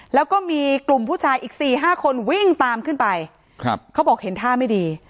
แล้วก็มีกลุ่มผู้ชายอีกสี่ห้าคนวิ่งตามขึ้นไปครับเขาบอกเห็นท่าไม่ดี